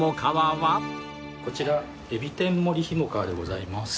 こちら海老天盛りひもかわでございます。